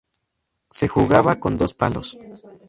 Se jugaba con dos palos.